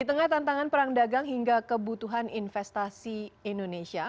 di tengah tantangan perang dagang hingga kebutuhan investasi indonesia